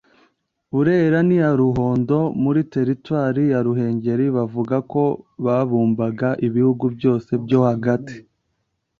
burera n’iya ruhondo, muri teretwari ya ruhengeri. bavuga ko babumbaga ibihugu byose byo hagati